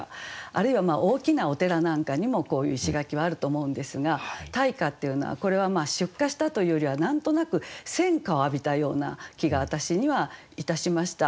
あるいは大きなお寺なんかにもこういう石垣はあると思うんですが「大火」っていうのはこれは出火したというよりは何となく戦火を浴びたような気が私にはいたしました。